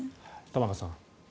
玉川さん。